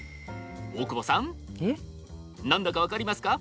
大久保さん何だか分かりますか？